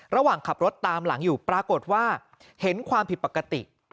ระหว่างขับรถตามหลังอยู่ปรากฏว่าเห็นความผิดปกติ